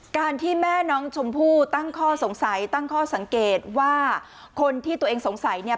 การที่แม่น้องชมพู่ตั้งข้อสงสัยตั้งข้อสังเกตว่าคนที่ตัวเองสงสัยเนี่ย